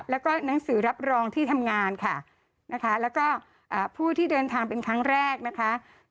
แล้วก็หนังสือรับรองที่ทำงานค่ะนะคะแล้วก็ผู้ที่เดินทางเป็นครั้งแรกนะคะ